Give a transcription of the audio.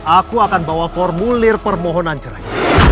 aku akan bawa formulir permohonan jerai